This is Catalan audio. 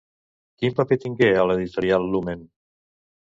Quin paper tingué a l'Editorial Lumen?